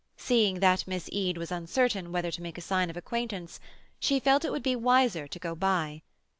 Seeing that Miss Eade was uncertain whether to make a sign of acquaintance, she felt it would be wiser to go by.